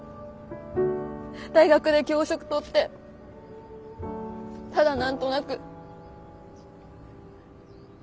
大学で教職とってただ何となく。